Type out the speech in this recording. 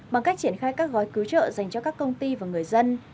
bằng cách triển khai các gói cứu trợ dành cho các công ty và người dân